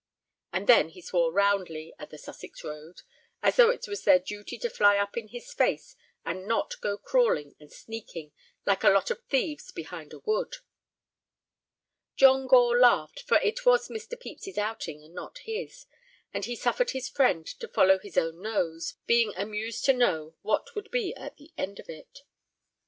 And then he swore roundly at the Sussex roads, as though it was their duty to fly up in his face and not go crawling and sneaking like a lot of thieves behind a wood. John Gore laughed, for it was Mr. Pepys's outing and not his, and he suffered his friend to follow his own nose, being amused to know what would be the end of it.